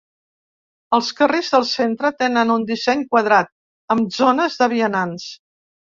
Els carrers del centre tenen un disseny quadrat, amb zones de vianants.